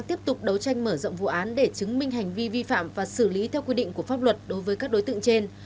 tiếp tục đấu tranh mở rộng vụ án để chứng minh hành vi vi phạm và xử lý theo quy định của pháp luật đối với các đối tượng trên